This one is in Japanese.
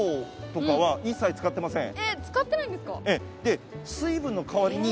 えっ使ってないんですか。